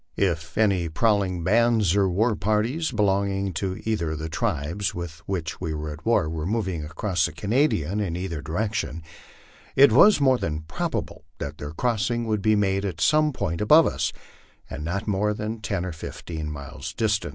If any prowling bands or war parties belonging to either of the tribes with which we were at war were moving across the Canadian in either direction, it was more than probable that their crossing would be made at some point above us, and not more than ten or fifteen miles distant.